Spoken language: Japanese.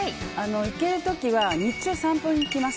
行ける時は日中、散歩に行きます。